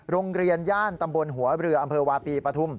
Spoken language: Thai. โรงเรียนย่านตำบลหัวเรืออำเภอวาปีปฐุม